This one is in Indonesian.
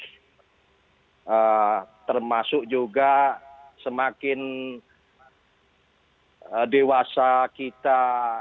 termasuk juga semakin dewasa kita